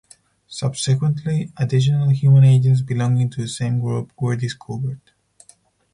Subsequently, additional human agents belonging to the same group were discovered.